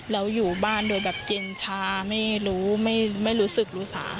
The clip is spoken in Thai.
แล้วอยู่บ้านโดยแบบเย็นชาไม่รู้ไม่รู้สึกรู้สา